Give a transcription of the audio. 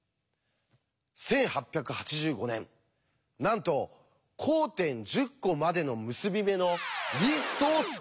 １８８５年なんと交点１０コまでの結び目のリストを作ったっていうんです。